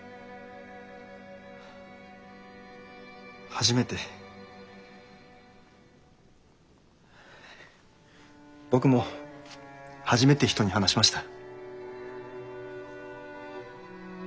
初めて僕も初めて人に話しました。